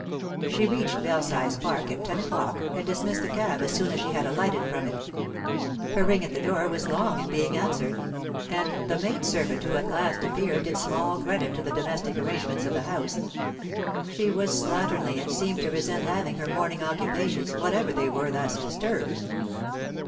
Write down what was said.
She reached Belsize Park at ten o'clock, and dismissed the cab as soon as she had alighted from it. Her ring at the door was long in being answered, and the maid servant who at last appeared did small credit to the domestic arrangements of the house she was slatternly, and seemed to resent having her morning occupations, whatever they were, thus disturbed.